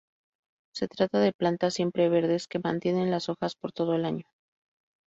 Se trata de plantas siempre verdes que mantienen las hojas por todo el año.